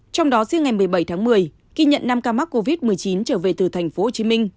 trong đó riêng ngày một mươi bảy tháng một mươi ghi nhận năm ca mắc covid một mươi chín trở về từ thành phố hồ chí minh